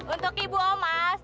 untuk ibu omas